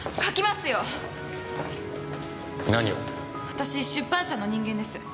私出版社の人間です。